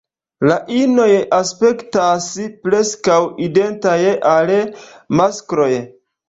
La inoj aspektas preskaŭ identaj al maskloj.